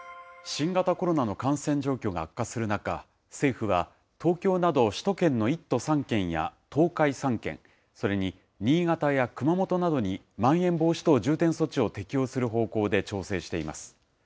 新型コロナの感染状況が悪化する中、政府は東京など首都圏の１都３県や東海３県、それに新潟や熊本などにまん延防止等重点措置を適用する方向で調整しています。